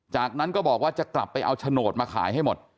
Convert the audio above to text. จากนั้นก็บอกว่าจะกลับไปเอาโฉนดมาขายให้หมด